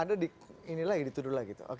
ada dituduh lagi